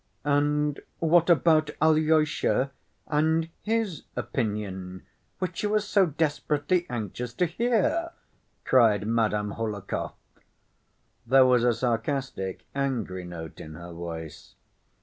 "And what about Alyosha and his opinion, which you were so desperately anxious to hear?" cried Madame Hohlakov. There was a sarcastic, angry note in her voice.